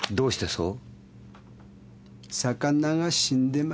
そう。